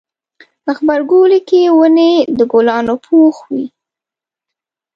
غبرګولی کې ونې د ګلانو پوښ وي.